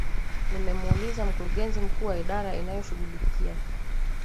nimemuliza mkurugenzi mkuu wa idara inayoshughulikia